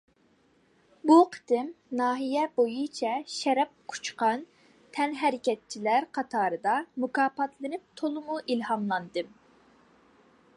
بۇ قېتىم ناھىيە بويىچە شەرەپ قۇچقان تەنھەرىكەتچىلەر قاتارىدا مۇكاپاتلىنىپ تولىمۇ ئىلھاملاندىم.